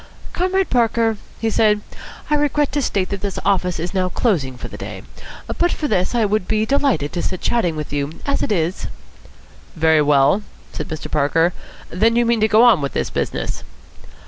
"Comrade Parker," he said, "I regret to state that this office is now closing for the day. But for this, I should be delighted to sit chatting with you. As it is " "Very well," said Mr. Parker. "Then you mean to go on with this business?"